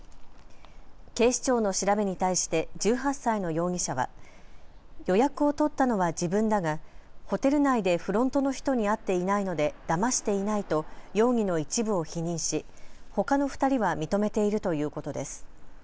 警視庁の調べに対して１８歳の容疑者は予約を取ったのは自分だがホテル内でフロントの人に会っていないのでだましていないと容疑の一部を否認しほかの２人は認めているということです。